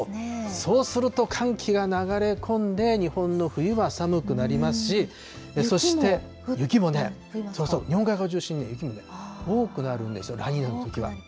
そうすると、寒気が流れ込んで日本の冬は寒くなりますし、そして雪もね、日本海側を中心に雪も多くなるんですよ、ラニーニャのときは。